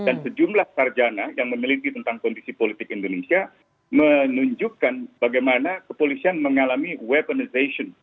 dan sejumlah sarjana yang memiliki tentang kondisi politik indonesia menunjukkan bagaimana kepolisian mengalami weaponization